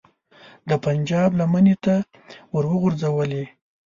د پنجاب لمنې ته وروغورځولې.